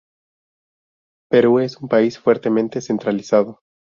Perú es un país fuertemente centralizado.